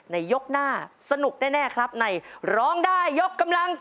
ยกหน้าสนุกแน่ครับในร้องได้ยกกำลัง